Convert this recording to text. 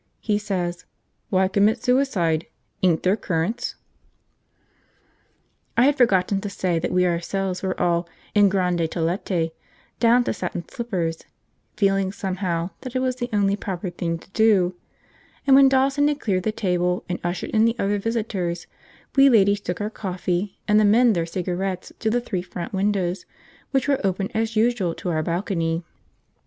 He says, "Why commit suicide? Ain't there currants?" I had forgotten to say that we ourselves were all en grande toilette, down to satin slippers, feeling somehow that it was the only proper thing to do; and when Dawson had cleared the table and ushered in the other visitors, we ladies took our coffee and the men their cigarettes to the three front windows, which were open as usual to our balcony.